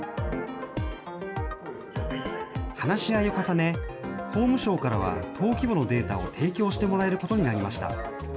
話し合いを重ね、法務省からは登記簿のデータを提供してもらえることになりました。